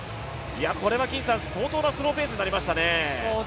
これは相当なスローペースになりましたね。